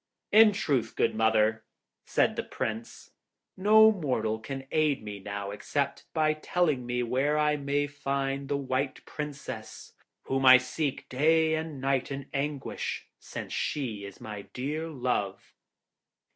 'In truth, good mother,' said the Prince, 'no mortal can aid me now except by telling me where I may find the White Princess, whom I seek day and night in anguish, since she is my dear love.'